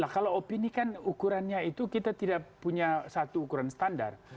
nah kalau opini kan ukurannya itu kita tidak punya satu ukuran standar